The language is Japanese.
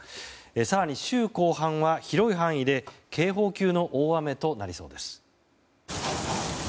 更に週後半は、広い範囲で警報級の大雨となりそうです。